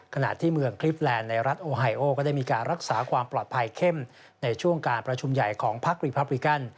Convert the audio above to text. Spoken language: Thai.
ขณะที่เมืองคลิปแลนด์ในรัฐโอไฮโอก็ได้มีการรักษาความปลอดภัยเข้มในช่วงการประชุมใหญ่ของพักรีพับริกัน